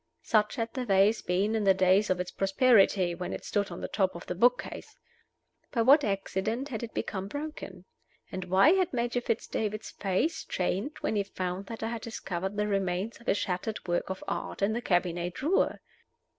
Such had the vase been in the days of its prosperity, when it stood on the top of the book case. By what accident had it become broken? And why had Major Fitz David's face changed when he found that I had discovered the remains of his shattered work of art in the cabinet drawer?